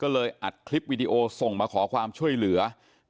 ก็เลยอัดคลิปวิดีโอส่งมาขอความช่วยเหลือ